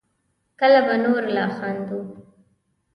کله به نور لا خندوو